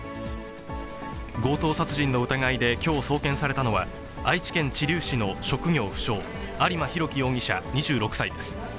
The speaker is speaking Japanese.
強盗殺人の疑いで、きょう送検されたのは、愛知県知立市の職業不詳、有馬滉希容疑者２６歳です。